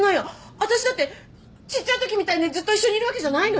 私だってちっちゃいときみたいにずっと一緒にいるわけじゃないのよ。